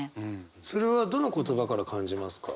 それはどの言葉から感じますか？